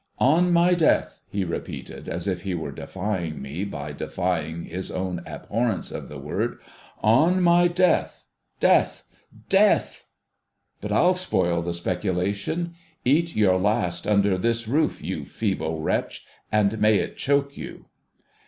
' On my death,' he repeated, as if he were defying me by defying his own abhorrence of the word. ' On my death — death — Death ! But ril spoil the speculation. Eat your last under this roof, you feeble wretch, and may it choke you